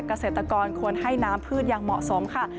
เกษตรกรควรให้น้ำพืชอย่างเหมาะสมค่ะ